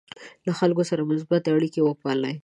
له خلکو سره مثبتې اړیکې وپالئ.